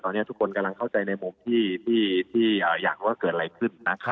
ตอนนี้ทุกคนกำลังเข้าใจในมุมที่อยากว่าเกิดอะไรขึ้นนะ